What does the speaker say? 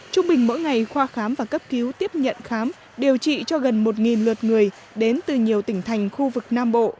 trung bình mỗi ngày khoa khám và cấp cứu tiếp nhận khám điều trị cho gần một lượt người đến từ nhiều tỉnh thành khu vực nam bộ